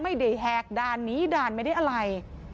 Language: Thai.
ไม่ได้แฮกด่านนี้ด่านไม่ได้อะไร